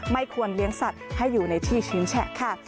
ไม่ควรเลี้ยงสัตว์ให้อยู่ในที่ชื้นแฉะค่ะ